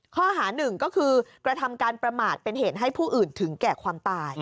ข้อหาหนึ่งก็คือกระทำการประมาทเป็นเหตุให้ผู้อื่นถึงแก่ความตาย